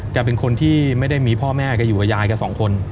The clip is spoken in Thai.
เป็นคนที่ไม่ได้มีพ่อแม่แกอยู่กับยายแกสองคน